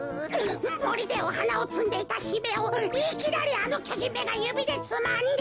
もりでおはなをつんでいたひめをいきなりあのきょじんめがゆびでつまんで。